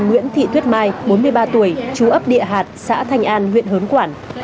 nguyễn thị tuyết mai bốn mươi ba tuổi chú ấp địa hạt xã thanh an huyện hớn quản